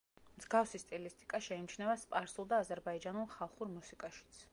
მსგავსი სტილისტიკა შეიმჩნევა სპარსულ და აზერბაიჯანულ ხალხურ მუსიკაშიც.